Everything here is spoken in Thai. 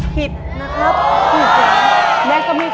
ถูกถูกถูก